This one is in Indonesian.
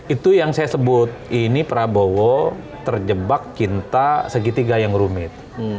itu yang saya sebut ini prabowo terjebak cinta segitiga yang rumit